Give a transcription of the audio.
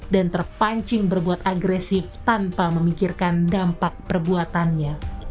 dan terpancing berbuat agresif tanpa memikirkan dampak perbuatannya